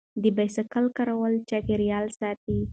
د بایسکل کارول چاپیریال ساتي.